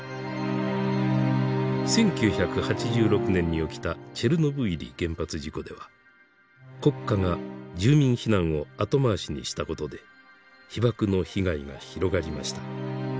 １９８６年に起きたチェルノブイリ原発事故では国家が住民避難を後回しにしたことで被ばくの被害が広がりました。